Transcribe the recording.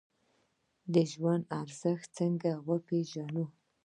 د ژوند ارزښت څنګه وپیژنو؟